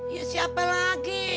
ya siapa lagi